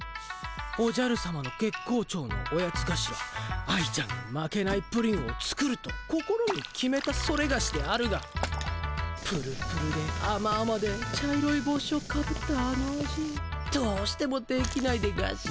おじゃるさまの月光町のオヤツがしら愛ちゃんに負けないプリンを作ると心に決めたソレガシであるがぷるぷるであまあまで茶色いぼうしをかぶったあの味どうしてもできないでガシ。